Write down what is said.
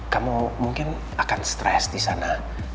kamu mungkin akan stres di sana